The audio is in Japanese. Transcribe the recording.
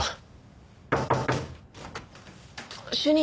主任！